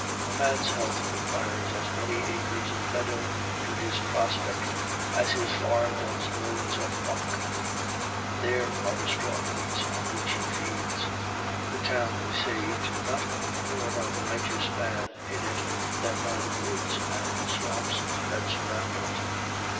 A man's health requires as many acres of meadow to his prospect as his farm does loads of muck. There are the strong meats on which he feeds. A town is saved, not more by the righteous men in it than by the woods and swamps that surround it.